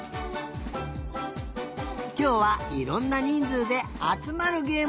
きょうはいろんなにんずうであつまるゲームをしてみよう！